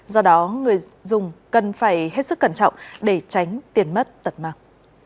do đó người dùng cần phải hết sức cẩn trọng để tránh tiền mất tật mạng